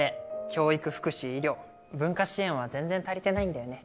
教育福祉医療文化支援は全然足りてないんだよね。